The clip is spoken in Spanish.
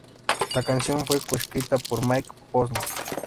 La canción fue coescrita por Mike Posner.